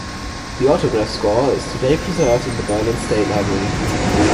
The autograph score is today preserved in the Berlin State Library.